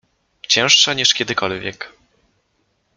— Cięższa niż kiedykolwiek.